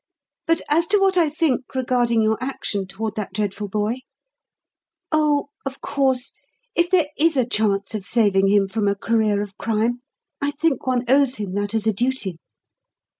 "But as to what I think regarding your action toward that dreadful boy.... Oh, of course, if there is a chance of saving him from a career of crime, I think one owes him that as a duty.